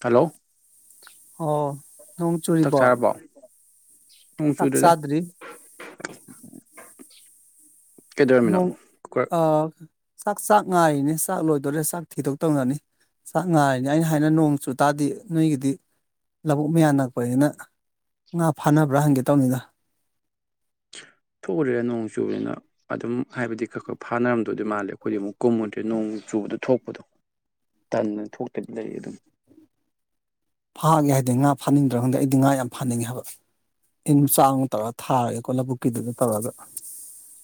hello ꯑꯣ ꯅꯣꯡ ꯆꯥꯛ ꯆꯨꯔꯤꯕꯣ ꯆꯥꯔꯕꯣ ꯅꯣꯡ ꯆꯥꯛ ꯆꯨꯗ꯭ꯔꯤꯗ ꯆꯥꯗ꯭ꯔꯤ ꯀꯩꯗꯧꯔꯝꯃꯤꯅꯣ ꯅꯣꯡ ꯀꯨꯀꯔ ꯑꯥ ꯆꯥꯛ ꯆꯥ ꯉꯥꯏꯔꯤꯅꯦ ꯆꯥꯛ ꯂꯣꯏꯗꯣꯔꯦ ꯆꯥꯛ ꯊꯤꯗꯣꯛꯇꯧꯔꯅꯤ ꯆꯥꯛ ꯉꯥꯏꯔꯤꯅꯦ ꯑꯩꯅ ꯍꯥꯏꯅ ꯅꯣꯡ ꯆꯨꯇꯥꯔꯗꯤ ꯅꯣꯏꯒꯤꯗꯤ ꯂꯥꯕꯨꯛ ꯃꯌꯥ ꯅꯥꯛꯄꯅꯤꯅ ꯉꯥ ꯐꯥꯅꯕ꯭ꯔꯥ ꯍꯪꯒꯦ ꯇꯧꯅꯤꯗ ꯊꯣꯛꯎꯔꯦ ꯅꯣꯡ ꯆꯨꯨꯕꯅꯤꯅ ꯑꯗꯨꯝ ꯍꯥꯏꯕꯗꯤ ꯈꯔ ꯈꯔ ꯐꯥꯅꯔꯝꯗꯣꯏꯗꯤ ꯃꯥꯜꯂꯦ ꯑꯩꯈꯣꯏꯗꯤ ꯑꯃꯨꯛ ꯀꯨꯝꯃꯨꯗ꯭ꯔꯦ ꯅꯣꯡ ꯆꯨꯕꯗꯨ ꯊꯣꯛꯄꯗꯣ ꯇꯟꯅ ꯊꯣꯛꯇꯕꯤ ꯂꯩ ꯑꯗꯨꯝ ꯐꯥꯒꯦ ꯍꯥꯏꯗꯦ ꯉꯥ ꯐꯥꯅꯤꯡꯗ꯭ꯔꯥ ꯈꯪꯗꯦ ꯑꯩꯗꯤ ꯉꯥ ꯌꯥꯝ ꯐꯥꯅꯤꯡꯉꯦ ꯍꯥꯏꯕ ꯇꯤꯟ ꯆꯥꯡ ꯇꯧꯔꯒ ꯊꯥꯔꯒꯦꯀꯣ ꯂꯧꯕꯨꯛꯀꯤꯗꯨꯗ ꯇꯧꯔꯒ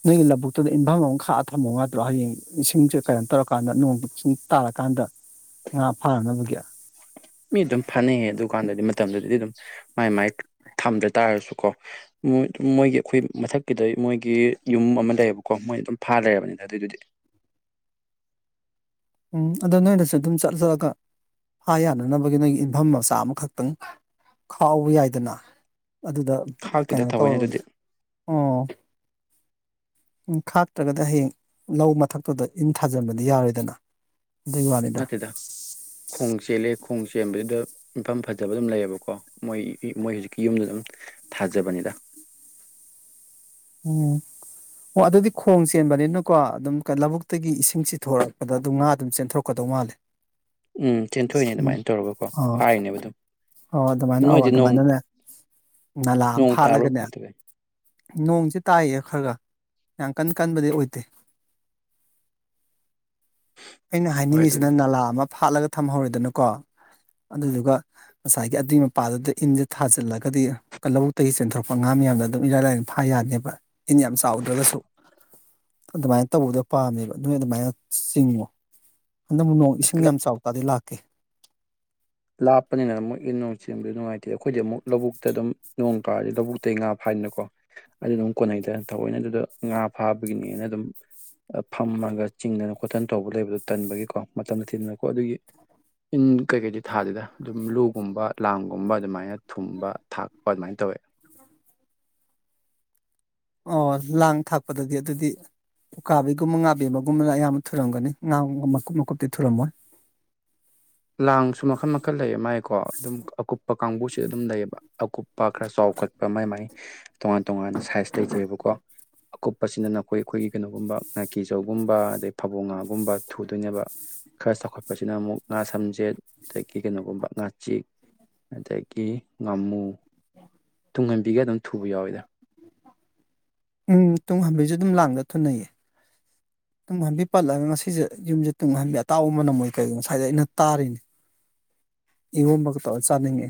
ꯅꯪꯒꯤ ꯂꯧꯕꯕꯨꯛꯇꯨꯗ ꯏꯟꯕꯝ ꯑꯃ ꯈꯥꯛꯑ ꯊꯥꯝꯃꯣ ꯉꯥꯛꯇ꯭ꯔꯣ ꯍꯌꯦꯡ ꯏꯁꯤꯡꯁꯦ ꯀꯩꯅꯣ ꯇꯧꯔꯀꯥꯟꯗ ꯅꯣꯡ ꯁꯤꯡ ꯇꯥꯔꯀꯥꯟꯗ ꯉꯥ ꯐꯥꯅꯅꯕꯒꯤ ꯃꯤ ꯑꯗꯨꯝ ꯐꯅꯩꯌꯦ ꯑꯗꯨꯀꯥꯟꯗꯗꯤ ꯃꯇꯝꯗꯨꯗꯗꯤ ꯑꯗꯨꯝ ꯃꯥꯏ ꯃꯥꯏ ꯊꯝꯗ ꯇꯥꯔꯁꯨꯀꯣ ꯃꯣꯏ ꯃꯣꯏꯒꯤ ꯑꯩꯈꯣꯏ ꯃꯊꯛꯀꯤꯗꯩꯩ ꯃꯣꯏꯒꯤ ꯌꯨꯝ ꯑꯃ ꯂꯩꯌꯦꯕꯀꯣ ꯃꯣꯏ ꯑꯗꯨꯝ ꯐꯥ ꯂꯩꯔꯕꯅꯤ ꯑꯗꯨꯏꯗꯨꯗꯤ ꯎꯝ ꯑꯗꯨ ꯅꯣꯏꯅꯁ ꯑꯗꯨꯝ ꯆꯠ ꯆꯠꯂꯒ ꯐꯥ ꯌꯥꯅꯅꯕꯒꯤ ꯅꯣꯏꯒꯤ ꯌꯨꯝꯐꯝ ꯃꯆꯥ ꯑꯃꯈꯛꯇꯪ ꯈꯥꯎꯕ ꯌꯥꯏꯗꯅ ꯑꯗꯨꯗ ꯈꯥꯛꯇꯦꯗ ꯀꯩꯅꯣ ꯊꯑꯣꯏꯅ ꯇꯧꯔꯕꯗꯤ ꯑꯗꯨꯗꯤ ꯑꯣ ꯎꯝ ꯈꯥꯛꯇ꯭ꯔꯒꯗꯤ ꯍꯌꯦꯡ ꯂꯧ ꯃꯊꯛꯇꯨꯗ ꯏꯟ ꯊꯥꯖꯤꯟꯕꯗꯤ ꯌꯥꯔꯣꯏꯗꯅ ꯑꯗꯨꯒꯤ ꯋꯥꯅꯤꯗ ꯅꯠꯇꯦꯗ ꯈꯣꯡ ꯆꯦꯜꯂꯦ ꯈꯣꯡ ꯆꯦꯟꯕꯁꯤꯗ ꯌꯨꯝꯐꯝ ꯐꯖꯕ ꯗꯨꯝ ꯂꯩꯌꯦꯕꯀꯣ ꯃꯣꯏ ꯃꯣꯏ ꯍꯧꯖꯤꯛꯀꯤ ꯌꯨꯝꯗ ꯑꯗꯨꯝ ꯊꯥꯖꯕꯅꯤꯗ ꯑꯣ ꯑꯣ ꯑꯗꯨꯗꯤ ꯈꯣꯡ ꯆꯦꯟꯕꯅꯤꯅꯀꯣ ꯑꯗꯨꯝ ꯀꯩ ꯂꯧꯕꯨꯛꯇꯒꯤ ꯏꯁꯤꯡ ꯆꯤꯊꯣꯔꯛꯄꯗ ꯑꯗꯨꯝ ꯉꯥ ꯑꯗꯨꯝ ꯆꯦꯟꯊꯣꯔꯛꯀꯗꯧ ꯃꯥꯜꯂꯦ [inaudible] ꯎꯝ ꯆꯦꯟꯊꯣꯛꯏꯅꯦ ꯎꯝ ꯑꯗꯨꯃꯥꯏꯅ ꯇꯧꯔꯒꯀꯣ ꯑꯣ ꯐꯥꯏꯅꯦꯕ ꯑꯗꯨꯝ ꯑꯣ ꯑꯗꯨꯃꯥꯏꯅ ꯑꯧ ꯅꯣꯏꯗꯤ ꯅꯣꯡ ꯑꯗꯨꯃꯥꯏꯅꯅꯦ ꯅꯣꯡ ꯇꯥꯕ꯭ꯔꯣ ꯀꯃꯥꯢ ꯇꯧꯒꯦ ꯅꯣꯡꯖꯦ ꯇꯥꯏꯌꯦ ꯈꯔꯒ ꯌꯥꯝ ꯀꯟ ꯀꯟꯕꯗꯤ ꯑꯣꯏꯗꯦ ꯑꯩꯅ ꯍꯣꯏ ꯍꯥꯏꯅꯤꯡꯉꯤꯖꯤꯅ ꯑꯗꯨꯅꯤ ꯅꯂꯥ ꯑꯃ ꯐꯥꯠꯂꯒ ꯊꯝꯍꯧꯔꯦꯗꯅꯀꯣ ꯑꯗꯨꯗꯨꯒ ꯉꯁꯥꯏꯒꯤ ꯑꯗꯨꯏ ꯃꯄꯥꯗꯨꯗ ꯏꯟꯖꯦ ꯊꯥꯖꯤꯜꯂꯒꯗꯤ ꯀꯂꯧꯇꯒꯤ ꯆꯦꯟꯊꯣꯔꯛꯄ ꯉꯥ ꯃꯌꯥꯝꯗꯣ ꯗꯨꯝ ꯏꯔꯥꯏ ꯂꯥꯏꯅ ꯐꯥ ꯌꯥꯅꯦꯕ ꯏꯟ ꯌꯥꯝ ꯆꯥꯎꯗ꯭ꯔꯒꯁꯨ ꯑꯗꯨꯃꯥꯏ ꯇꯧꯕꯗꯣ ꯄꯥꯝꯃꯦꯕ ꯅꯣꯏ ꯑꯗꯨꯃꯥꯏꯅ ꯆꯤꯡꯉꯣ ꯍꯟꯗꯃꯨꯛ ꯅꯣꯡ ꯑꯁ ꯏꯁꯤꯡ ꯂꯥꯞ ꯌꯥꯝ ꯆꯥꯎ ꯇꯥꯗꯤ ꯂꯥꯛꯀꯦ ꯂꯥꯞꯄꯅꯤꯅ ꯃꯣꯏꯒꯤ ꯅꯣꯡ ꯆꯦꯟꯕ ꯅꯨꯡꯉꯥꯏꯇꯦ ꯑꯈꯣꯏꯗꯤ ꯑꯃꯨꯛ ꯂꯧꯕꯨꯛꯇ ꯗꯨꯝ ꯅꯣꯡ ꯇꯥꯔꯗꯤ ꯂꯧꯕꯨꯛꯇꯩ ꯉꯥ ꯐꯥꯏꯅꯀꯣ ꯑꯗꯨꯅꯃꯨꯛ ꯀꯣꯟꯅꯩꯗ ꯊꯑꯣꯏꯅ ꯑꯗꯨꯗ ꯉꯥ ꯐꯥꯕꯒꯤꯅꯦꯅ ꯑꯗꯨꯝ ꯑ ꯐꯝꯃꯒ ꯆꯤꯡꯗꯅ ꯈꯣꯠꯇꯅ ꯇꯧꯕ ꯂꯩꯕꯗꯣ ꯇꯟꯕꯒꯤꯀꯣ ꯃꯇꯝꯅ ꯊꯤꯟꯗꯅꯀꯣ ꯑꯗꯨꯒꯤ ꯏꯟ ꯀꯩ ꯀꯩꯗꯤ ꯊꯥꯗꯦꯗ ꯗꯨꯝ ꯂꯨꯒꯨꯝꯕ ꯂꯥꯡꯒꯨꯝꯕ ꯑꯗꯨꯃꯥꯏꯅ ꯊꯨꯝꯕ ꯊꯥꯛꯄ ꯑꯗꯨꯃꯥꯏꯅ ꯇꯧꯋꯦ ꯑꯣ ꯂꯥꯡ ꯊꯥꯛꯄꯗꯗꯤ ꯑꯗꯨꯗꯤ ꯎꯀꯥꯕꯤꯒꯨꯝꯕ ꯉꯥꯕꯦꯝꯃꯒꯨꯝꯕꯅ ꯑꯌꯥꯝꯕ ꯊꯨꯔꯝꯒꯅꯤ ꯉꯥ ꯃꯀꯨꯞ ꯃꯀꯨꯞꯇꯤ ꯊꯨꯔꯝꯃꯣꯏ ꯂꯥꯡꯁꯨ ꯃꯈꯟ ꯃꯈꯟ ꯂꯩꯌꯦ ꯃꯥꯏꯀꯣ ꯑꯗꯨꯝ ꯑꯀꯨꯞꯄ ꯀꯥꯡꯕꯨꯁꯤ ꯑꯗꯨꯝ ꯂꯩꯌꯦꯕ ꯑꯀꯨꯞ ꯄ ꯈꯔ ꯆꯥꯎꯈꯠꯄ ꯃꯥꯏ ꯃꯥꯏ ꯇꯣꯉꯥꯟ ꯇꯣꯉꯥꯟꯅ ꯁꯥꯏꯖ ꯂꯩꯖꯩꯕꯀꯣ ꯀꯨꯞꯄꯁꯤꯅ ꯅꯈꯣꯏ ꯈꯣꯏꯒꯤ ꯀꯩꯅꯣꯒꯨꯝꯕ ꯉꯥꯀꯤꯖꯧꯒꯨꯝꯕ ꯑꯗꯩ ꯐꯥꯕꯣ ꯉꯥꯒꯨꯝꯕ ꯊꯨꯗꯣꯏꯅꯦꯕ ꯈꯔ ꯆꯥꯎꯈꯠꯄꯁꯤꯅ ꯑꯃꯨꯛ ꯉꯥ ꯁꯝꯖꯦꯠ ꯑꯗꯒꯤ ꯀꯩꯅꯣꯒꯨꯝꯕ ꯉꯥꯆꯤꯛ ꯑꯗꯒꯤ ꯉꯥꯃꯨ ꯇꯨꯡꯍꯟꯕꯤꯒ ꯑꯗꯨꯝ ꯊꯨꯕ ꯌꯥꯎꯋꯦꯗ ꯎꯝ ꯇꯨꯡꯍꯝꯕꯤꯖꯨ ꯑꯗꯨꯝ ꯂꯥꯡꯗ ꯊꯨꯅꯩꯌꯦ ꯇꯨꯡꯍꯟꯕꯤ ꯄꯜꯂ ꯉꯁꯤꯖꯦ ꯌꯨꯝꯖꯦ ꯇꯨꯡꯍꯟꯕꯤ ꯑꯇꯥꯎꯕ ꯃꯅꯝꯑꯣꯏ ꯀꯩꯑꯣꯏ ꯉꯁꯥꯏꯗꯩꯩ ꯑꯩꯅ ꯇꯥꯔꯤꯅꯤ [inaudible] ꯏꯔꯣꯝꯕꯒ ꯇꯧꯔ ꯆꯥꯅꯤꯡꯉꯦ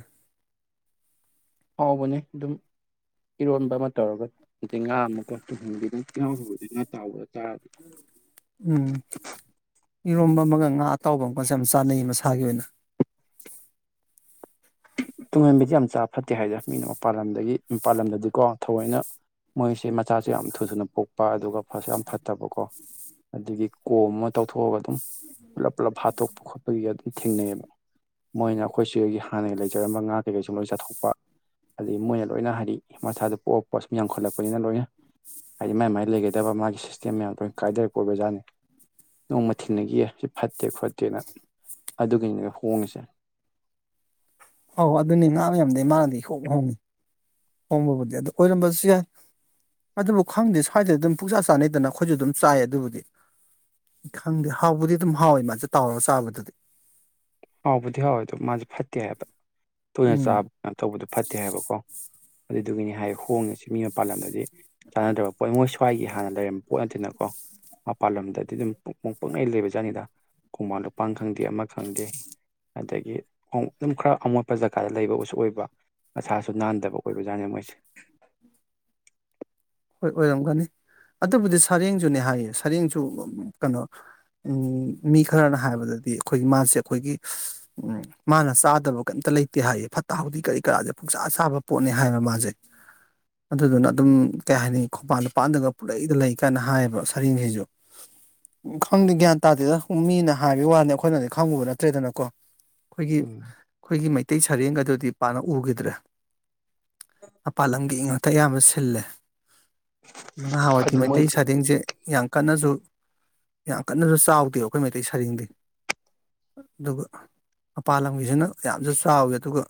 ꯍꯥꯎꯕꯅꯦ ꯑꯗꯨꯝ ꯏꯔꯣꯟꯕ ꯑꯃ ꯇꯧꯔꯒ ꯑꯗꯩ ꯉꯥ [unintelligible] ꯎꯝ ꯏꯔꯣꯝꯕ ꯑꯃꯒ ꯉꯥ ꯑꯇꯥꯎꯕ ꯑꯃꯒꯖꯦ ꯌꯥꯝ ꯆꯥꯅꯩ ꯃꯁꯥꯒꯤ ꯑꯣꯏꯅ ꯇꯨꯡꯍꯟꯕꯤꯗꯤ ꯌꯥꯝ ꯆꯥ ꯐꯠꯇꯦ ꯍꯥꯏꯗ ꯃꯤꯅ ꯃꯄꯥꯥꯟ ꯂꯝꯗꯒꯤ ꯃꯄꯥꯜ ꯂꯝꯗꯗꯤꯀꯣ ꯊꯑꯣꯏꯅ ꯃꯣꯏꯁꯦ ꯃꯆꯥꯁꯨ ꯌꯥꯝ ꯊꯨ ꯊꯨꯅ ꯄꯣꯛꯄ ꯑꯗꯨꯒ ꯐꯁꯨ ꯌꯥꯝ ꯐꯠꯇꯕꯀꯣ ꯑꯗꯨꯒꯤ ꯀꯣꯝ ꯑꯃ ꯇꯧꯊꯣꯛꯑꯒ ꯑꯗꯨꯝ ꯄꯨꯂꯞ ꯄꯨꯜꯂꯞ ꯍꯥꯠꯇꯣꯛꯄ ꯈꯣꯠꯄꯒꯤꯒ ꯑꯗꯨꯝ ꯊꯦꯡꯅꯩꯑꯕ ꯃꯣꯏꯅ ꯑꯈꯣꯏ ꯁꯤꯗꯒꯤ ꯍꯥꯟꯅꯒꯤ ꯂꯩꯖꯔꯝꯕ ꯉꯥ ꯀꯩꯀꯩꯁꯤ ꯂꯣꯏ ꯆꯥꯊꯣꯛꯄ ꯑꯗꯩ ꯃꯣꯏꯅ ꯂꯣꯏꯅ ꯍꯥꯏꯗꯤ ꯃꯁꯥꯗ ꯄꯣꯛꯑ ꯄꯣꯑ ꯁꯨꯝ ꯌꯥꯝꯈꯠꯂꯛꯄꯅꯤꯅ ꯂꯣꯏꯅ ꯍꯥꯏꯗꯤ ꯃꯥꯏ ꯃꯥꯏ ꯂꯩꯒꯗꯕ ꯃꯥꯒꯤ ꯁꯤꯁꯇꯦꯝ ꯃꯌꯥꯝ ꯂꯣꯏꯅ ꯀꯥꯏꯗꯔꯛꯄ ꯑꯣꯏꯕꯖꯥꯅꯤ ꯅꯣꯡꯃ ꯊꯤꯡꯅꯒꯤꯌꯦ ꯁꯤ ꯐꯠꯇꯦ ꯈꯣꯠꯇꯦꯅ ꯑꯗꯨꯒꯤꯅꯤ ꯍꯣꯡꯉꯤꯁꯦ ꯑꯧ ꯑꯗꯨꯅꯤ ꯉꯥ ꯃꯌꯥꯝꯗꯩ ꯃꯥꯅꯗꯤ ꯏꯍꯣꯡ ꯍꯣꯡꯉꯤ ꯍꯣꯡꯕꯕꯨꯗꯤ ꯑꯗꯨ ꯑꯣꯏꯔꯝꯕꯁꯨ ꯌꯥꯏ ꯑꯗꯨꯕꯨ ꯈꯪꯗꯦ ꯁ꯭ꯋꯥꯏꯗꯗꯤ ꯑꯗꯨꯝ ꯄꯨꯛꯆꯥꯥ ꯆꯥꯅꯩꯗꯅ ꯑꯈꯣꯏꯖꯨ ꯑꯗꯨꯝ ꯆꯥꯏꯌꯦ ꯑꯗꯨꯕꯨꯗꯤ ꯈꯪꯗꯦ ꯍꯥꯎꯕꯨꯗꯤ ꯑꯗꯨꯝ ꯍꯥꯎꯋꯦ ꯃꯥꯁꯦ ꯇꯥꯎꯔꯒ ꯆꯥꯕꯗ ꯍꯥꯎꯕꯨꯗꯤ ꯍꯥꯎꯋꯦ ꯑꯗꯣ ꯃꯥꯁꯦ ꯐꯠꯇꯦ ꯍꯥꯏꯕ ꯇꯣꯏꯅ ꯎꯝ ꯆꯥꯕ ꯀꯩꯅꯣ ꯇꯧꯕꯗꯣ ꯐꯠꯇꯦ ꯍꯥꯏꯕꯀꯣ ꯑꯗꯨꯗꯨꯒꯤꯅꯤ ꯍꯥꯏ ꯍꯣꯡꯉꯁꯤ ꯃꯤ ꯃꯄꯥꯟꯂꯝꯗꯗꯤ ꯆꯥꯟꯅꯗ꯭ꯔꯕ ꯄꯣꯠ ꯃꯣꯏ ꯁ꯭ꯋꯥꯏꯒꯤ ꯍꯥꯟꯅ ꯂꯩꯔꯝꯕ ꯄꯣꯠ ꯅꯠꯇꯦꯅꯀꯣ ꯃꯄꯥꯜ ꯂꯝꯗꯗꯤ ꯑꯗꯨꯝ ꯄꯨꯡꯄꯣꯡ ꯄꯨꯡꯂꯩ ꯂꯩꯕꯖꯥꯠꯅꯤꯗ ꯈꯣꯡꯕꯥꯟ ꯂꯨꯄꯥꯟ ꯈꯪꯗꯦ ꯑꯃ ꯈꯪꯗꯦ ꯑꯗꯒꯤ ꯑꯗꯨꯝ ꯈꯔ ꯑꯃꯣꯠꯄ ꯖꯒꯥꯗ ꯂꯩꯕꯁꯨ ꯑꯣꯏꯕ ꯃꯁꯥꯁꯨ ꯅꯥꯟꯗꯕ ꯑꯣꯏꯕꯖꯥꯠꯅꯤ ꯃꯣꯏꯁꯦ ꯍꯣꯏ ꯑꯣꯏꯔꯝꯒꯅꯤ ꯑꯗꯨꯕꯨꯗꯤ ꯁꯔꯦꯡꯖꯨꯅꯦ ꯍꯥꯏꯌꯦ ꯁꯔꯦꯡꯁꯨ ꯀꯩꯅꯣ ꯎꯝ ꯃꯤ ꯈꯔꯅ ꯍꯥꯏꯕꯗꯗꯤ ꯑꯩꯈꯣꯏꯒꯤ ꯃꯥꯁꯦ ꯑꯩꯈꯣꯏꯒꯤ ꯎꯝ ꯃꯥꯅ ꯆꯥꯗꯕ ꯀꯩꯝꯇ ꯂꯩꯇꯦ ꯍꯥꯏꯌꯦ ꯐꯠꯇ ꯍꯥꯎꯗꯤ ꯀꯔꯤ ꯀꯔꯥꯁꯦ ꯄꯨꯡꯁꯥ ꯁꯥꯕ ꯄꯣꯠꯅꯦ ꯍꯥꯏꯕ ꯃꯥꯁꯦ ꯑꯗꯨꯗꯨꯅ ꯑꯗꯨꯝ ꯀꯩ ꯍꯥꯏꯅꯤ ꯈꯣꯡꯄꯥꯟ ꯢꯄꯥꯟꯗꯒ ꯄꯨꯂꯩꯗ ꯂꯩ ꯀꯥꯏꯅ ꯍꯥꯏꯌꯦꯕ ꯁꯥꯔꯦꯡꯁꯤꯡꯁꯨ ꯈꯪꯗꯦ ꯒ꯭ꯌꯥꯟ ꯇꯥꯗꯦꯗ ꯃꯤꯅ ꯍꯥꯏꯕꯒꯤ ꯋꯥꯅꯤ ꯑꯩꯈꯣꯏꯅꯗꯤ ꯈꯪꯉꯨꯕ ꯅꯠꯇ꯭ꯔꯦꯗꯅꯀꯣ ꯑꯩꯈꯣꯏꯒꯤ ꯎꯝ ꯑꯩꯈꯣꯏꯒꯤ ꯃꯩꯇꯩ ꯁꯔꯦꯡꯒ ꯑꯗꯨꯗꯤ ꯄꯥꯛꯅ ꯎꯈꯤꯗ꯭ꯔꯦ ꯃꯄꯥꯜ ꯂꯝꯒꯤ ꯉꯥꯛꯇ ꯑꯌꯥꯝꯕ ꯁꯤꯜꯂꯦ ꯅꯍꯥꯟꯋꯥꯢꯗꯤ ꯑꯗꯨ ꯃꯣꯏ ꯃꯩꯇꯩ ꯁꯥꯔꯦꯡꯁꯦ ꯌꯥꯝ ꯀꯟꯅꯁꯨ ꯌꯥꯝ ꯀꯟꯅꯁꯨ ꯆꯥꯎꯗꯦꯕ ꯑꯩꯈꯣꯏ ꯃꯩꯇꯩ ꯁꯔꯦꯡꯗꯤ ꯑꯗꯨꯒ ꯃꯄꯥꯥꯟ ꯂꯝꯒꯤꯁꯤꯅ ꯌꯥꯝꯁꯨ ꯆꯥꯎꯋꯤ ꯑꯗꯨꯒ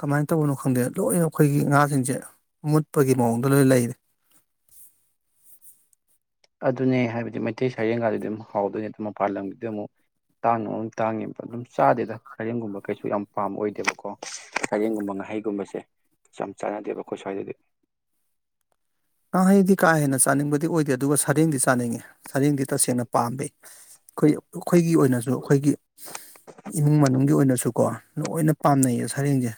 ꯀꯃꯥꯏꯅ ꯇꯧꯕꯅꯣ ꯈꯪꯗꯦ ꯂꯣꯏꯅ ꯑꯩꯈꯣꯏꯒꯤ ꯉꯥꯁꯤꯡꯁꯦ ꯃꯨꯠꯄꯒꯤ ꯃꯑꯣꯡꯗ ꯂꯣꯏꯅ ꯂꯩꯔꯦ ꯑꯗꯨꯅꯦ ꯍꯥꯏꯕꯗꯤ ꯃꯩꯇꯩ ꯁꯩꯔꯦꯡꯒꯗꯨꯗꯤ ꯑꯗꯨꯝ ꯍꯥꯎꯗꯣꯏꯅꯦ ꯑꯗꯨꯝ ꯃꯄꯥꯟ ꯂꯝꯒꯤꯗ ꯑꯃꯨꯛ ꯇꯥꯡꯅ ꯃꯔꯣꯟ ꯑꯃ ꯇꯥꯡꯉꯦꯕ ꯑꯗꯨꯝ ꯆꯥꯗꯦꯗ ꯁꯔꯦꯡꯒꯨꯝꯕ ꯀꯩꯁꯨ ꯌꯥꯝ ꯄꯥꯝꯕ ꯑꯣꯏꯗꯦꯕꯀꯣ ꯁꯥꯔꯦꯡꯒꯨꯝꯕ ꯉꯥꯍꯩꯒꯨꯝꯕꯁꯦ ꯄꯥꯛ ꯆꯥꯅꯗꯦꯕ ꯑꯩꯈꯣꯏ ꯁ꯭ꯋꯥꯏꯗꯗꯤ ꯉꯥꯍꯩꯗꯤ ꯀꯥ ꯍꯦꯟꯅ ꯆꯥꯅꯤꯡꯕꯗꯤ ꯑꯣꯏꯗꯦ ꯑꯗꯨꯒ ꯁꯔꯦꯡꯗꯤ ꯆꯥꯅꯤꯡꯉꯤ ꯁꯔꯦꯡꯗꯤ ꯇꯁꯦꯡꯅ ꯄꯥꯝꯃꯦ ꯑꯩꯈꯣꯏ ꯑꯩꯈꯣꯏꯒꯤ ꯑꯣꯏꯅꯁꯨ ꯑꯩꯈꯣꯏꯒꯤ ꯏꯃꯨꯡ ꯃꯅꯨꯡꯒꯤ ꯑꯣꯏꯅꯁꯨꯀꯣ ꯂꯣꯏꯅ ꯄꯥꯝꯅꯩꯌꯦ ꯁꯔꯦꯡꯁꯦ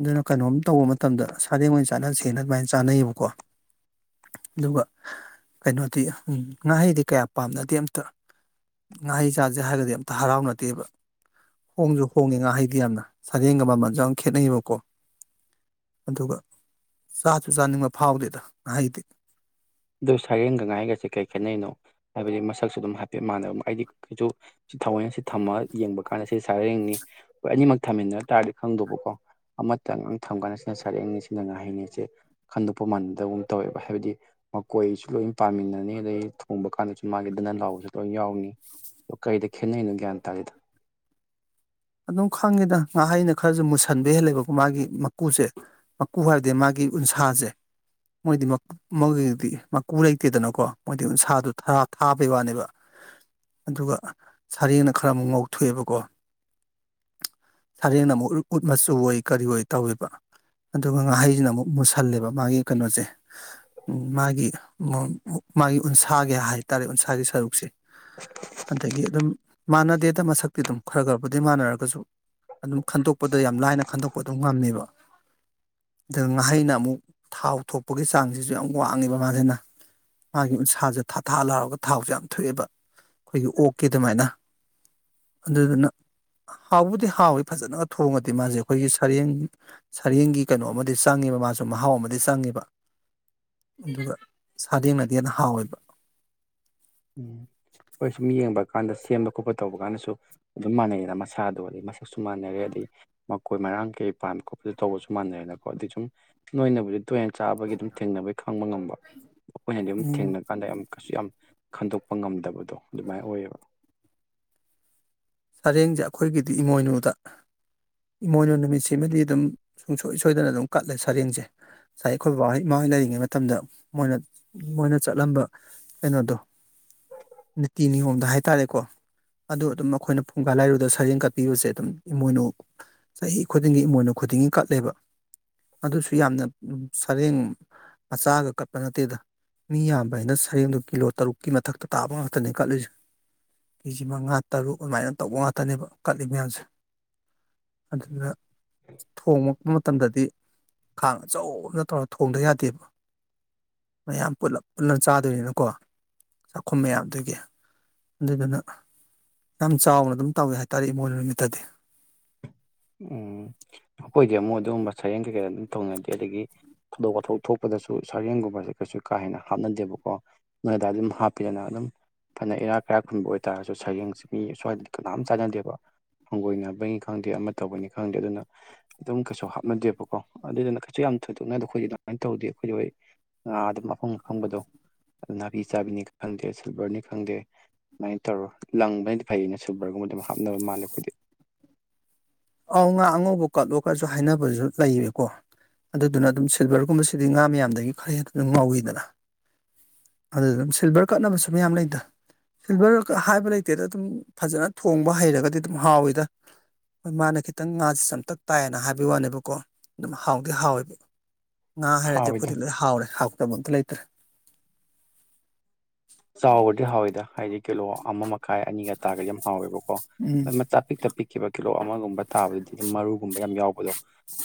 ꯑꯗꯨꯅ ꯀꯩꯅꯣꯝ ꯇꯧꯕ ꯃꯇꯝꯗ ꯁꯥꯔꯦꯡ ꯑꯣꯏꯅ ꯆꯥꯅꯁꯦꯅ ꯑꯗꯨꯃꯥꯏꯅ ꯆꯥꯅꯩꯌꯦꯕꯀꯣ ꯑꯗꯨꯒ ꯀꯩꯅꯣꯗꯤ ꯉꯥꯍꯩꯗꯤ ꯀꯌꯥ ꯄꯥꯝꯅꯗꯦ ꯑꯝꯇ ꯉꯍꯩ ꯆꯥꯁꯦ ꯍꯥꯏꯔꯗꯤ ꯑꯝꯇ ꯍꯔꯥꯎꯅꯗꯦꯕ ꯍꯣꯡꯁꯨ ꯍꯣꯡꯉꯦ ꯉꯥꯍꯩꯗꯤ ꯌꯥꯝꯅ ꯁꯥꯔꯦꯡꯒ ꯃꯃꯜꯁꯨ ꯌꯥꯝ ꯈꯦꯠꯅꯩꯌꯦꯕꯀꯣ ꯑꯗꯨꯒ ꯆꯥꯁꯨ ꯆꯥꯅꯤꯡꯕ ꯐꯥꯎꯗꯦꯗ ꯉꯍꯩꯗꯤ ꯑꯗꯨ ꯁꯩꯔꯦꯡꯒ ꯉꯍꯩꯒꯁꯦ ꯀꯩ ꯈꯦꯠꯅꯩꯩꯅꯣ ꯍꯥꯏꯕꯗꯤ ꯃꯁꯛꯁꯨ ꯑꯗꯨꯝ ꯍꯥꯏꯐꯦꯠ ꯃꯥꯟꯅꯕ ꯑꯩꯗꯤ ꯀꯩꯁꯨ ꯁꯤ ꯊꯥꯑꯣꯏꯅ ꯁꯤ ꯊꯝꯃ ꯌꯦꯡꯕ ꯀꯥꯟꯗ ꯁꯤ ꯁꯔꯦꯡꯅꯤ ꯍꯣꯏ ꯑꯅꯤꯃꯛ ꯊꯝꯃꯤꯟꯅ ꯇꯥꯔꯗꯤ ꯈꯪꯗꯧꯕꯀꯣ ꯑꯃꯇꯪ ꯊꯝꯀꯥꯟꯗ ꯁꯤꯅ ꯁꯔꯦꯡꯅꯤ ꯁꯤꯅ ꯉꯥꯍꯩꯅꯦꯁꯦ ꯈꯟꯗꯣꯛꯄ ꯃꯥꯟꯕꯗꯒꯨꯝ ꯇꯧꯋꯦꯕ ꯍꯥꯏꯕꯗꯤ ꯃꯈꯣꯏꯁꯨ ꯂꯣꯏ ꯄꯥꯃꯤꯟꯅꯅꯤ ꯑꯗꯩ ꯊꯣꯡꯕ ꯀꯥꯟꯗꯁꯨ ꯃꯥꯒꯤ ꯅꯟ ꯂꯥꯎꯕꯁꯨ ꯂꯣꯏ ꯌꯥꯎꯅꯤ ꯀꯩꯗ ꯈꯦꯠꯅꯩꯅꯣ ꯒ꯭ꯌꯥꯟ ꯇꯥꯗꯦꯗ ꯑꯗꯨꯝ ꯈꯪꯉꯦꯗ ꯉꯥꯏꯍꯩꯅ ꯈꯔꯁꯨ ꯃꯨꯁꯟꯕ ꯍꯦꯜꯂꯦꯕꯀꯣ ꯃꯥꯒꯤ ꯃꯀꯨꯁꯦ ꯃꯀꯨ ꯍꯥꯏꯔꯗꯤ ꯃꯥꯒꯤ ꯎꯟꯁꯥꯁꯦ ꯃꯣꯏꯗꯤ ꯃꯀꯨ ꯃꯣꯏꯒꯤꯗꯤ ꯃꯀꯨ ꯂꯩꯇꯦꯗꯅꯀꯣ ꯃꯣꯏꯗꯤ ꯎꯟꯁꯥꯗꯣ ꯊꯥꯕꯩ ꯋꯥꯅꯦꯕ ꯑꯗꯨꯒ ꯁꯥꯔꯦꯡꯅ ꯈꯔ ꯑꯃꯨꯛ ꯉꯧꯊꯣꯛꯑꯦꯕꯀꯣ ꯁꯔꯦꯡꯅ ꯑꯃꯨꯛ ꯎꯠ ꯃꯆꯨ ꯑꯣꯏ ꯀꯔꯤ ꯑꯣꯏ ꯇꯧꯋꯦꯕ ꯑꯗꯨꯒ ꯉꯥꯍꯩꯁꯤꯅ ꯑꯃꯨꯛ ꯃꯨꯁꯜꯂꯦꯕ ꯃꯥꯒꯤ ꯀꯩꯅꯣꯁꯦ ꯎ ꯃꯥꯒꯤ ꯃꯥꯒꯤ ꯎꯟꯁꯥꯒꯤ ꯍꯥꯏꯇꯥꯔꯦ ꯎꯟꯁꯥꯒꯤ ꯁꯔꯨꯛꯁꯦ ꯍ [inaudible] ꯑꯗꯒꯤ ꯑꯗꯨꯝ ꯃꯥꯟꯅꯗꯦꯗ ꯃꯁꯛꯇꯤ ꯑꯗꯨꯝ ꯈꯔ ꯈꯔꯗꯤ ꯑꯗꯨꯗꯩ ꯃꯥꯟꯅꯔꯒꯁꯨ ꯑꯗꯨꯝ ꯈꯟꯗꯣꯛꯄꯗ ꯌꯥꯝ ꯂꯥꯏꯅ ꯈꯟꯗꯣꯛꯄ ꯑꯗꯨꯝ ꯉꯝꯃꯦꯕ ꯑꯗ ꯉꯍꯩꯅ ꯑꯃꯨꯛ ꯊꯥꯎ ꯊꯣꯛꯄꯒꯤ ꯆꯥꯡꯁꯤꯁꯨ ꯌꯥꯝ ꯋꯥꯡꯉꯦꯕ ꯃꯥꯁꯤꯅ ꯃꯥꯒꯤ ꯎꯟꯁꯥꯁꯦ ꯊꯥ ꯊꯥ ꯂꯥꯎꯔꯒ ꯊꯥꯎꯁꯦ ꯌꯥꯝ ꯊꯣꯛꯑꯦꯕ ꯑꯩꯈꯣꯏꯒꯤ ꯑꯣꯛꯀꯤ ꯑꯗꯨꯃꯥꯏꯅ ꯑꯗꯨꯗꯨꯅ ꯍꯥꯎꯕꯨꯗꯤ ꯍꯥꯎꯋꯦ ꯐꯖꯅꯒ ꯊꯣꯡꯉꯗꯦ ꯃꯥꯁꯦ ꯑꯩꯈꯣꯏꯒꯤ ꯁꯔꯦꯡ ꯁꯔꯦꯡꯒꯤ ꯀꯩꯅꯣ ꯑꯃꯗꯤ ꯆꯪꯉꯦꯕ ꯃꯥꯁꯨ ꯃꯍꯥꯎ ꯑꯃꯗꯤ ꯆꯪꯉꯦꯕ ꯑꯗꯨꯒ ꯁꯥꯗꯦꯡꯅꯗꯤ ꯌꯦꯟꯅ ꯍꯥꯎꯋꯦꯕ ꯎꯝ ꯍꯣꯏ ꯁꯨꯝ ꯌꯦꯡꯕ ꯀꯥꯟꯗ ꯁꯦꯝꯕ ꯈꯣꯠꯄ ꯇꯧꯕ ꯀꯥꯟꯗꯁꯨ ꯑꯗꯨꯝ ꯃꯥꯟꯅꯩꯌꯦꯗ ꯃꯁꯥꯗꯣ ꯑꯗꯩ ꯃꯁꯛꯁꯨ ꯃꯥꯟꯅꯔꯦ ꯑꯗꯩ ꯃꯈꯀꯣꯏ ꯃꯔꯥꯡ ꯀꯩ ꯄꯥꯝ ꯈꯣꯠꯄꯗ ꯇꯧꯕꯁꯨ ꯃꯥꯟꯅꯩꯅꯀꯣ ꯑꯗꯨꯗꯤ ꯁꯨꯝ ꯅꯣꯏꯅꯕꯨꯗꯤ ꯇꯨꯔꯦꯟ ꯆꯥꯕꯒꯤ ꯑꯗꯨꯝ ꯊꯦꯡꯅꯕꯒꯤ ꯈꯪꯕ ꯉꯝꯕ ꯑꯩꯈꯣꯏꯅꯗꯤ ꯑꯗꯨꯝ ꯎꯝ ꯊꯦꯡꯅ ꯀꯥꯟꯗ ꯌꯥꯝ ꯀꯩꯁꯨ ꯌꯥꯝ ꯈꯟꯗꯣꯛꯄ ꯉꯝꯗꯕꯗꯣ ꯑꯗꯨꯃꯥꯏꯅ ꯑꯣꯏꯌꯦꯕ ꯆꯔꯦꯡꯁꯦ ꯑꯩꯈꯣꯏꯒꯤꯗꯤ ꯏꯃꯣꯏꯅꯨꯗ ꯏꯃꯣꯏꯅꯨ ꯅꯨꯃꯤꯠꯁꯤꯃꯗꯤ ꯑꯗꯨꯝ ꯁꯨꯡꯁꯣꯏ ꯁꯣꯏꯗꯅ ꯑꯗꯨꯝ ꯀꯠꯂꯦ ꯁꯔꯦꯡꯁꯦ ꯉꯁꯥꯏ ꯑꯩꯈꯣꯏ ꯕꯕꯥꯍ ꯏꯃꯥꯍꯣꯏ ꯂꯩꯔꯤꯉꯩ ꯃꯇꯝꯗ ꯃꯣꯏꯅ ꯃꯣꯏꯅ ꯆꯠꯂꯝꯕ ꯀꯩꯅꯣꯗꯣ ꯅꯤꯇꯤ ꯅꯤꯌꯣꯝꯗ ꯍꯥꯏꯇꯥꯔꯦꯀꯣ ꯑꯗꯨ ꯑꯗꯨꯝ ꯑꯩꯈꯣꯏꯅ ꯐꯡꯒꯥ ꯂꯥꯏꯔꯨꯗ ꯁꯔꯦꯡ ꯀꯠꯄꯤꯕꯁꯦ ꯑꯗꯨꯝ ꯏꯃꯣꯏꯅꯨ ꯆꯍꯤ ꯈꯨꯗꯤꯡꯒꯤ ꯏꯃꯣꯏꯅꯨ ꯈꯨꯗꯤꯡꯒꯤ ꯀꯠꯂꯦꯕ ꯑꯗꯨꯁꯨ ꯌꯥꯝꯅ ꯁꯔꯦꯡ ꯃꯆꯥꯒ ꯀꯛꯄ ꯅꯠꯇꯦꯗ ꯃꯤ ꯌꯥꯝꯕ ꯍꯥꯏꯅ ꯁꯔꯦꯡꯗꯨ ꯀꯤꯂꯣ ꯇꯔꯨꯛꯀꯤ ꯃꯊꯛꯇ ꯇꯥꯕ ꯉꯥꯛꯇꯅꯦ ꯀꯠꯂꯨꯁꯦ ꯀꯦ ꯖꯤ ꯃꯉꯥ ꯇꯔꯨꯛ ꯑꯗꯨꯃꯥꯏꯅ ꯇꯧꯕ ꯉꯥꯛꯇꯅꯦꯕ ꯀꯠꯂꯤ ꯃꯌꯥꯝꯁꯦ ꯑꯗꯨꯅ ꯊꯣꯡꯂꯛꯄ ꯃꯇꯝꯗꯗꯤ ꯈꯥꯡ ꯑꯆꯧꯕꯅ ꯇꯧꯔꯒ ꯊꯣꯡꯗ ꯌꯥꯗꯦꯕ ꯃꯌꯥꯝ ꯄꯨꯂ ꯄꯨꯂꯞ ꯆꯥꯗꯣꯏꯅꯤꯅꯀꯣ ꯆꯥꯛꯈꯨꯝ ꯃꯌꯥꯝꯗꯨꯒꯤ ꯑꯗꯨꯗꯨꯅ ꯌꯥꯝ ꯆꯥꯎꯅ ꯑꯗꯨꯝ ꯇꯧꯋꯦ ꯍꯥꯏꯇꯥꯔꯦ ꯏꯃꯣꯏꯅꯨ ꯅꯨꯃꯤꯠꯇꯗꯤ ꯎꯝ ꯑꯩꯈꯣꯏꯗꯤ ꯑꯃꯨꯛ ꯑꯗꯨꯒꯨꯝꯕ ꯁꯔꯦꯡ ꯀꯩꯀꯩ ꯑꯗꯨꯝ ꯊꯧꯅꯗꯦ ꯑꯗꯒꯤ ꯊꯧꯗꯣꯛ ꯋꯥꯊꯣꯛ ꯊꯣꯛꯄꯗꯁꯨ ꯁꯔꯦꯡꯒꯨꯝꯕꯁꯦ ꯀꯩꯁꯨ ꯀꯥ ꯍꯦꯟꯅ ꯍꯥꯞꯅꯗꯦꯕꯀꯣ ꯅꯣꯏꯗ ꯑꯗꯨꯝ ꯍꯥꯞꯄꯤꯗꯅ ꯑꯗꯨꯝ ꯐꯅ ꯏꯔꯥꯛ ꯀꯩꯔꯥꯛ ꯈꯨꯟꯕ ꯑꯣꯏꯕꯇꯥꯔꯁꯨ ꯁꯩꯔꯦꯡꯁꯤ ꯃꯤ ꯁ꯭ꯋꯥꯏꯗꯗꯤ ꯀꯅꯥꯝ ꯆꯥꯟꯅꯗꯦꯕ ꯍꯪꯒꯣꯏꯅꯕꯅꯤ ꯈꯪꯗꯦ ꯑꯃ ꯇꯧꯕꯅꯤ ꯈꯪꯗꯦ ꯑꯗꯨꯅ ꯑꯗꯨꯝ ꯀꯩꯁꯨ ꯍꯥꯞꯅꯗꯦꯕꯀꯣ ꯑꯗꯨꯗꯨꯅ ꯀꯩꯁꯨ ꯌꯥꯝ ꯊꯣꯏꯗꯣꯛꯅꯗ ꯑꯩꯈꯣꯏꯦ ꯑꯗꯨꯃꯥꯏꯅ ꯇꯧꯗ ꯑꯩꯈꯣꯏ ꯍꯣꯏ ꯑ ꯑꯗꯨ ꯃꯐꯪ ꯃꯐꯪꯕꯗꯣ ꯅꯥꯄꯤ ꯆꯥꯕꯤꯅꯤ ꯈꯪꯗꯦ ꯁꯤꯜꯚꯔꯅꯤ ꯈꯪꯗꯦ ꯁꯨꯃꯥꯏꯅ ꯇꯧꯔꯣ ꯂꯪꯕꯅꯗꯤ ꯐꯩꯅ ꯁꯨꯕ꯭ꯔꯒꯨꯝꯕ ꯑꯗꯨꯝ ꯍꯥꯞꯅꯕ ꯃꯥꯜꯂꯦ ꯑꯩꯈꯣꯏꯗꯤ ꯑꯧ ꯉꯥ ꯑꯉꯧꯕ ꯀꯠꯂꯣꯒꯁꯨ ꯍꯥꯏꯅꯕꯁꯨ ꯂꯩꯔꯀꯣ ꯑꯗꯨꯗꯨꯅ ꯑꯗꯨꯝ ꯁꯤꯜꯚꯔꯒꯨꯝꯕꯁꯤꯗꯤ ꯉꯥ ꯃꯌꯥꯝꯗꯒꯤ ꯈꯔ ꯍꯦ ꯑꯗꯨ ꯑꯗꯨꯝ ꯉꯧꯋꯤꯗꯅ ꯑꯗꯨ ꯑꯗꯨꯝ ꯁꯤꯜꯚꯔ ꯀꯠꯅꯕꯁꯨ ꯃꯌꯥꯝ ꯂꯩꯗ ꯁꯤꯜꯚꯔꯒ ꯍꯥꯏꯕ ꯂꯩꯇꯦꯗ ꯑꯗꯨꯝ ꯐꯖꯅ ꯊꯣꯡꯕ ꯍꯩꯔꯒꯗꯤ ꯑꯗꯨꯝ ꯍꯥꯎꯋꯤꯗ ꯍꯣꯏ ꯃꯥꯅ ꯈꯤꯇꯪ ꯉꯥꯁꯦ ꯆꯝꯇꯛ ꯇꯥꯏꯌꯦꯅ ꯍꯥꯏꯕꯒꯤ ꯋꯥꯅꯦꯕꯀꯣ ꯑꯗꯨꯝ ꯍꯥꯎꯗꯤ ꯍꯥꯎꯋꯦꯕ ꯉꯥ ꯍꯥꯏꯔꯗꯤ ꯍꯥꯎꯋꯤꯗ ꯑꯩꯈꯣꯏꯗꯤ ꯂꯣꯏ ꯍꯥꯎꯔꯦ ꯍꯥꯎꯇꯕ ꯑꯝꯇ ꯂꯩꯇ꯭ꯔꯦ ꯆꯥꯎꯕꯗꯤ ꯍꯥꯎꯋꯦꯗ ꯍꯥꯏꯗꯤ ꯀꯤꯂꯣ ꯑꯃ ꯃꯈꯥꯏ ꯑꯅꯤꯒ ꯇꯥꯒꯗꯤ ꯌꯥꯝ ꯍꯥꯎꯋꯦꯕꯀꯣ ꯎꯝ ꯀꯣꯏ ꯃꯆꯥ ꯄꯤꯛꯇ ꯄꯤꯛꯈꯤꯕ ꯀꯤꯂꯣ ꯑꯃꯒꯨꯝꯕ ꯇꯥꯕꯗꯨꯗꯤ ꯑꯗꯨꯝ ꯃꯔꯨꯒꯨꯝꯕ ꯌꯥꯝ ꯌꯥꯎꯕꯗꯣ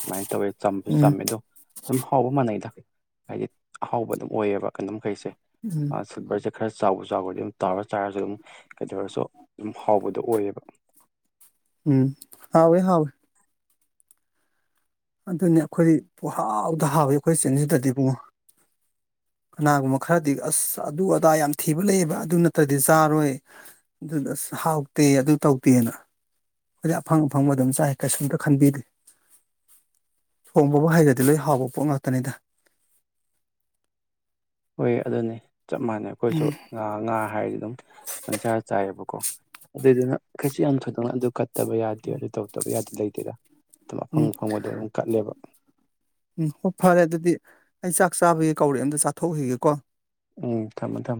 ꯁꯃꯥꯏꯅ ꯇꯧꯋꯦ ꯆꯁꯨ ꯎꯝ ꯆꯝꯃꯦ ꯑꯗꯣ ꯑꯗꯨꯝ ꯍꯥꯎꯕ ꯃꯥꯟꯅꯩꯗ ꯍꯥꯏꯗꯤ ꯑꯍꯥꯎꯕ ꯑꯗꯨꯝ ꯑꯣꯏꯌꯦꯕ ꯀꯩꯅꯣꯝ ꯃꯈꯩꯁꯦ ꯎꯝ ꯁꯤꯜꯕꯔꯁꯦ ꯈꯔ ꯆꯥꯎꯕ ꯆꯥꯎꯈ꯭ꯔꯗꯤ ꯑꯗꯨꯝ ꯇꯥꯎꯔ ꯆꯥꯏꯔꯁꯨ ꯑꯗꯨꯝ ꯀꯩꯗꯧꯔꯁꯨ ꯑꯗꯨꯝ ꯍꯥꯎꯕꯗꯣ ꯑꯣꯏꯌꯦꯕ ꯎꯝ ꯍꯥꯎꯑꯦ ꯍꯥꯎꯑꯦ ꯑꯗꯨꯅꯦ ꯑꯩꯈꯣꯏ ꯄꯨ ꯍꯥꯎꯗ ꯍꯥꯎꯋꯏ ꯑꯩꯈꯣꯏ ꯆꯤꯟꯁꯤꯗꯗꯤꯕꯨ ꯀꯅꯥꯒꯨꯝꯕ ꯈꯔꯗꯤ ꯑꯁ ꯑꯗꯨ ꯑꯗꯥ ꯌꯥꯝ ꯊꯤꯕ ꯂꯩꯑꯕ ꯑꯗꯨ ꯅꯠꯇ꯭ꯔꯗꯤ ꯆꯥꯔꯣꯏ ꯑꯗꯨꯗ ꯑꯁ ꯍꯥꯎꯇꯦ ꯑꯗꯨ ꯇꯧꯗꯦꯅ ꯍꯥꯏꯗꯤ ꯑꯐꯪ ꯑꯐꯪꯕ ꯑꯗꯨꯝ ꯆꯥꯏ ꯀꯩꯁꯨꯝꯇ ꯈꯟꯕꯤꯗꯦ ꯍꯣꯡꯕꯕꯨ ꯍꯩꯔꯗꯤ ꯂꯣꯏ ꯍꯥꯎꯕ ꯄꯣꯠ ꯉꯥꯛꯇꯅꯤꯗ ꯍꯣꯏ ꯑꯗꯨꯅꯤ ꯆꯞ ꯃꯥꯟꯅꯩ ꯑꯩꯈꯣꯏꯁꯨ ꯉꯥ ꯉꯥ ꯍꯥꯏꯔꯗꯤ ꯑꯗꯨꯝ ꯄꯪꯁꯥ ꯆꯥꯏꯑꯕꯀꯣ ꯑꯗꯨꯏꯗꯨꯅ ꯀꯩꯁꯨ ꯌꯥꯝ ꯊꯣꯏꯗꯣꯛꯅ ꯑꯗꯨ ꯐꯠꯇꯕ ꯌꯥꯗꯦ ꯑꯗꯨ ꯇꯧꯗꯕ ꯌꯥꯗꯦ ꯂꯩꯇꯦꯗ ꯑꯗꯨꯝ ꯎꯝ ꯃꯐꯪ ꯑ ꯐꯪꯕꯗꯣ ꯑꯗꯨꯝ ꯀꯠꯂꯦꯕ ꯎꯝ ꯍꯣꯏ ꯐꯔꯦ ꯑꯗꯨꯗꯤ ꯑꯩ ꯆꯥꯛ ꯆꯥꯕꯒꯤ ꯀꯧꯔꯛꯑꯦ ꯑꯝꯗ ꯆꯥꯊꯣꯛꯈꯤꯒꯦꯀꯣ ꯎꯝ ꯊꯝꯃꯨ ꯊꯝ